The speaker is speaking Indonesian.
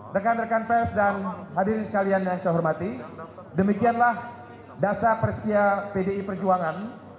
rekan rekan pers dan hadirin sekalian yang saya hormati demikianlah dasar persia pdi perjuangan